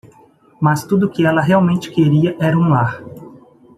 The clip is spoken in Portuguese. Mas tudo o que ela realmente queria era um lar.